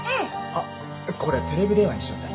あっこれテレビ電話にしようぜ。